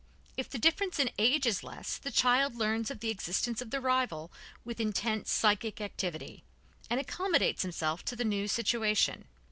If the difference in age is less, the child learns of the existence of the rival with intense psychic activity, and accommodates himself to the new situation.